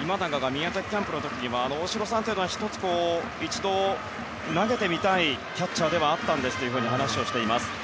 今永が宮崎キャンプの時大城さんは一度投げてみたいキャッチャーではあったんですと話をしています。